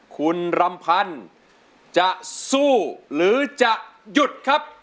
คุณรำพันธ์จะสู้หรือจะหยุดครับ